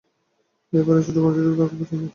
এ-বাড়ির ছোট বারান্দাটি তাঁর খুব পছন্দ।